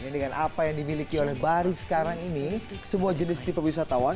dengan apa yang dimiliki oleh baris sekarang ini semua jenis tipe wisatawan